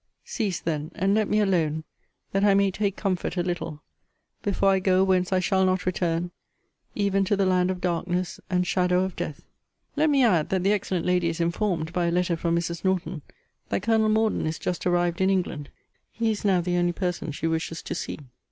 Cease then, and let me alone, that I may take comfort a little before I go whence I shall not return; even to the land of darkness, and shadow of death! Let me add, that the excellent lady is informed, by a letter from Mrs. Norton, that Colonel Morden is just arrived in England. He is now the only person she wishes to see.